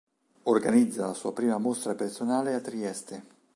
Organizza la sua prima mostra personale a Trieste.